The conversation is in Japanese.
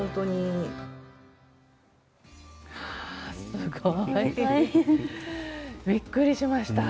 すごい。びっくりしました。